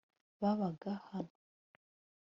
babaga hano